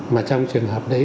mà trong trường hợp đấy